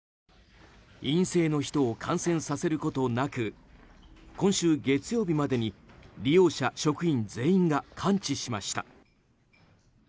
陰性の人を感染させることなく今週月曜日までに利用者、職員全員が完治しました。